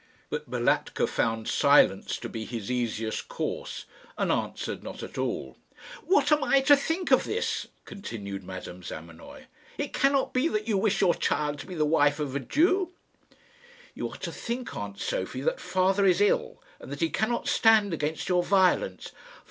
But Balatka found silence to be his easiest course, and answered not at all. "What am I to think of this?" continued Madame Zamenoy. "It cannot be that you wish your child to be the wife of a Jew!" "You are to think, aunt Sophie, that father is ill, and that he cannot stand against your violence."